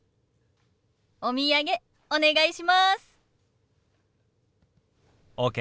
お土産お願いします。ＯＫ。